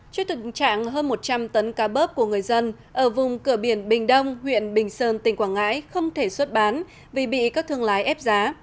trước thực trạng hơn một trăm linh tấn cá bớp của người dân ở vùng cửa biển bình đông huyện bình sơn tỉnh quảng ngãi không thể xuất bán vì bị các thương lái ép giá